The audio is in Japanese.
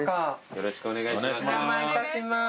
よろしくお願いします。